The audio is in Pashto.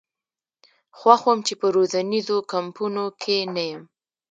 خوښ وم چې په روزنیزو کمپونو کې نه یم.